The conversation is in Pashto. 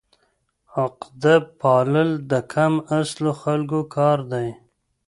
عقده پالل د کم اصلو خلکو کار دی.